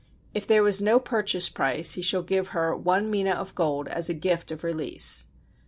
If there was no purchase price he shall give her one mina of gold as a gift of release.